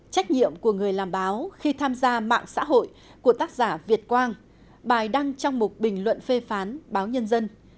trách nhiệm của người làm báo khi tham gia mạng xã hội của tác giả việt quang bài đăng trong một bình luận phê phán báo nhân dân